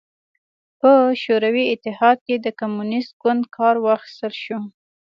په شوروي اتحاد کې د کمونېست ګوند کار واخیستل شو.